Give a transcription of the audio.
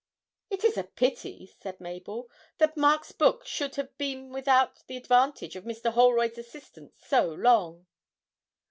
'It is a pity,' said Mabel, 'that Mark's book should have been without the advantage of Mr. Holroyd's assistance so long!'